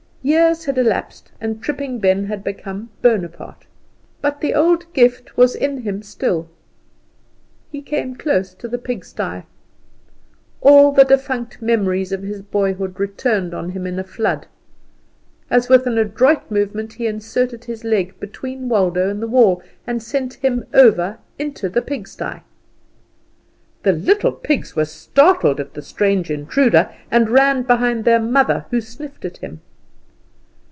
Years had elapsed, and Tripping Ben had become Bonaparte; but the old gift was in him still. He came close to the pigsty. All the defunct memories of his boyhood returned on him in a flood, as, with an adroit movement, he inserted his leg between Waldo and the wall and sent him over into the pigsty. The little pigs were startled at the strange intruder, and ran behind their mother, who sniffed at him.